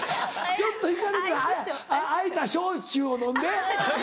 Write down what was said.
ちょっとイカれてて開いた焼酎を飲んで？